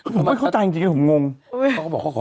ผมไม่เข้าใจอย่างเนี่ย